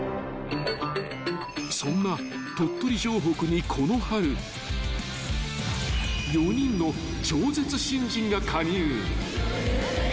［そんな鳥取城北にこの春４人の超絶新人が加入］